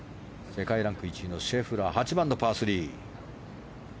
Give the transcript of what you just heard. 世界ランク１位、シェフラー８番、パー３。